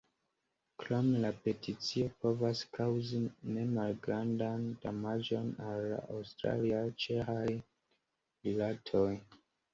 Krome la peticio povas kaŭzi nemalgrandan damaĝon al la aŭstraj-ĉeĥaj rilatoj.